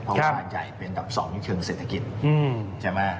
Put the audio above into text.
เพราะว่าชาติใหญ่เป็นดับ๒ในเชิงเศรษฐกิจ